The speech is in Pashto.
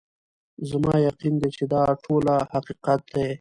زما یقین دی چي دا ټوله حقیقت دی